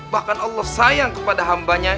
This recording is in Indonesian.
bahkan allah sayang kepada hambanya